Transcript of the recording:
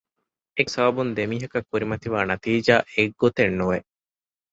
އެއް ކަމެއްގެ ސަބަބުން ދެ މީހަކަށް ކުރިމަތިވާ ނަތީޖާ އެއްގޮތެއް ނުވެ